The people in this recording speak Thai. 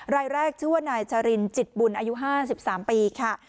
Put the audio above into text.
รายแรกชื่อว่านายชรินจิตบุญอายุ๕๓ปีค่ะ